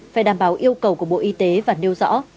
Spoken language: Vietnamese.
phải đảm bảo yêu cầu của bộ y tế và nêu rõ